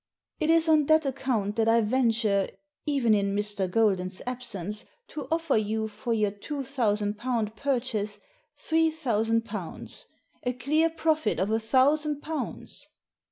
It is on that account that I venture, even in Mr. Golden's absence, to offer you for your two thousand pound purchase three thousand pounds; a clear profit of a thousand pounds."